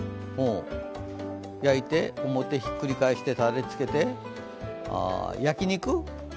焼いて、表をひっくり返して、たれをつけて、焼き肉？